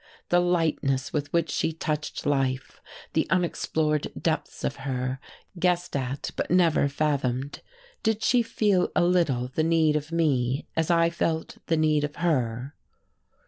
The lightness with which she touched life, the unexplored depths of her, guessed at but never fathomed! Did she feel a little the need of me as I felt the need of her?